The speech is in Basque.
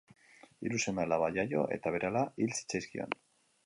Hiru seme-alaba jaio eta berehala hil zitzaizkion.